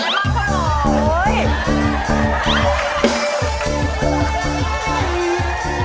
เห็นเกลียดในเกียงชุม